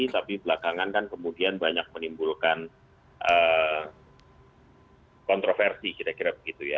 tapi belakangan kan kemudian banyak menimbulkan kontroversi kira kira begitu ya